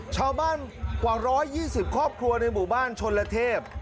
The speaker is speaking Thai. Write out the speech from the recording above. ชาวบ้านกว่า๑๒๐ครอบครัวในหมู่บ้านชนละเทพ